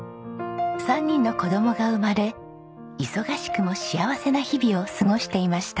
３人の子どもが生まれ忙しくも幸せな日々を過ごしていました。